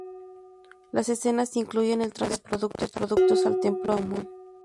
Las escenas incluyen el transporte de productos al templo de Amón.